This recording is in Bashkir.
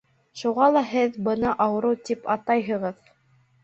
Шуға ла һеҙ быны ауырыу тип атайһығыҙ.